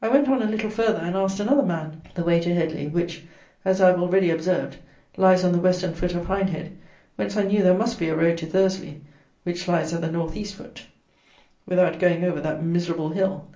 I went on a little further, and asked another man the way to Headley, which, as I have already observed, lies on the western foot of Hindhead, whence I knew there must be a road to Thursley (which lies at the North East foot) without going over that miserable hill.